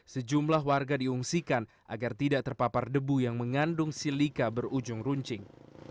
sejumlah warga diungsikan agar tidak terpapar debu yang mengandung silika berujung runcing